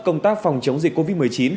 công tác phòng chống dịch covid một mươi chín